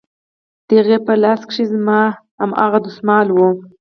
د هغې په لاس کښې زما هماغه دسمال و.